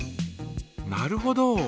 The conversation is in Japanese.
なるほど。